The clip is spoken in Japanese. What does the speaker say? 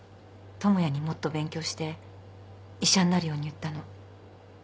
智也にもっと勉強して医者になるように言ったの。